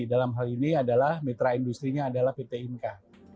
dalam hal ini adalah mitra industri pt inka